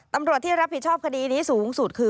ตำรวจที่รับผิดชอบคดีนี้สูงสุดคือ